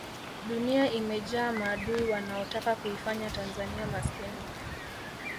dunia imejaa maadui wanaotaka kuifanya tanzania maskini